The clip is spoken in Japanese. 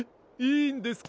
いいんですか？